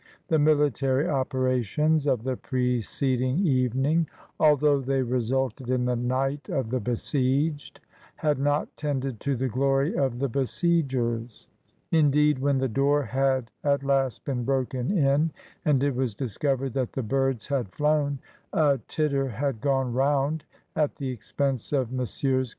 The military operations of the preceding evening, although they resulted in the night of the besieged, had not tended to the glory of the besiegers. Indeed, when the door had at last been broken in and it was discovered that the birds had flown, a titter had gone round at the expense of Messrs.